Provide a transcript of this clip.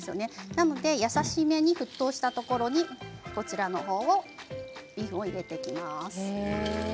なので優しめに沸騰したところにビーフンを入れていきます。